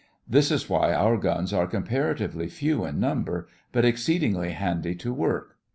This is why our guns are comparatively few in number, but exceedingly handy to work.